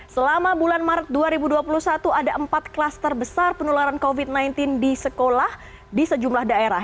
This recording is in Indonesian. selama bulan maret dua ribu dua puluh satu ada empat klaster besar penularan covid sembilan belas di sekolah di sejumlah daerah